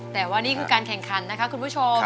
แต่ว่านี้ก็คือการแข่งครรภ์คุณผู้ชม